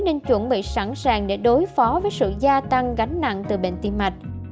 nên chuẩn bị sẵn sàng để đối phó với sự gia tăng gánh nặng từ bệnh tim mạch